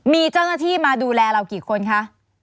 มีเจ้าหน้าที่มาดูแลเรากี่คนคะ